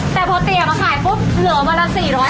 แต่พอเตี๋ยมาขายปุ๊บเหลือวันละ๔๐๐